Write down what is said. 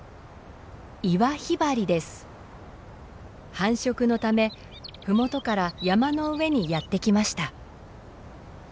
繁殖のため麓から山の上にやって来ました。